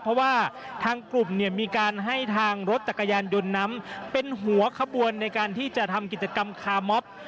เพราะว่าทางกลุ่มเนี่ยมีการให้ทางรถจักรยานยนต์นั้นเป็นหัวขบวนในการที่จะทำกิจกรรมคาร์มอบ